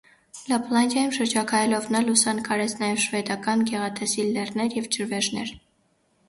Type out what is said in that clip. Լապլանդիայում շրջագայելով, նա լուսանկարեց նաև շվեդական գեղատեսիլ լեռներ և ջրվեժներ։